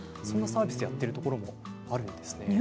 そんなサービスをやっているところもあるんですね。